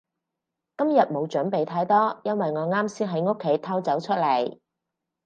今日冇準備太多，因為我啱先喺屋企偷走出嚟